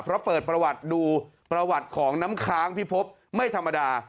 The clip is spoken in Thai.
เพราะเปิดประวัติดูประวัติของน้ำค้างพิพบไม่ธรรมดา